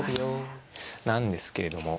なんですけれども。